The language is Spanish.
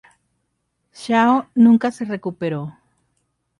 Zhao nunca se recuperó.